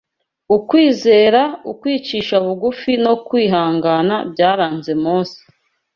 ukwizera, ukwicisha bugufi no kwihangana byaranze Mose